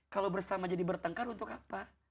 kalau bersama jadi bertengkar untuk apa